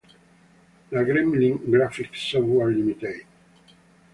La Gremlin Graphics Software Ltd.